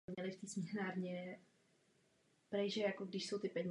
Vzájemná nespokojenost potom často vede k předčasnému ukončení takového partnerství.